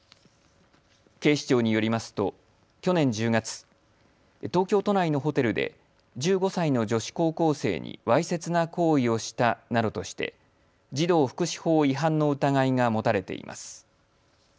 警視庁によりますと去年１０月、東京都内のホテルで１５歳の女子高校生にわいせつな行為をしたなどとして児童福祉法違反の疑いが持たれています。